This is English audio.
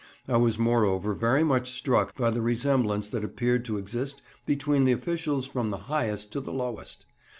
I was moreover very much struck by the resemblance that appeared to exist between the officials from the highest to the lowest.